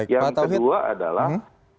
yang kedua adalah